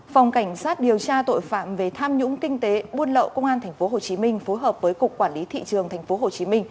phòng cảnh sát điều tra tội phạm về tham nhũng kinh tế buôn lậu công an tp hcm phối hợp với cục quản lý thị trường tp hcm